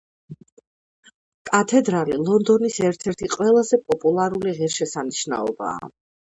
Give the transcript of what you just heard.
კათედრალი ლონდონის ერთ-ერთი ყველაზე პოპულარული ღირშესანიშნაობაა.